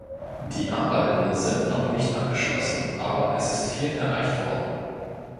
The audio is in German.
Die Arbeiten sind noch nicht abgeschlossen, aber es ist viel erreicht worden.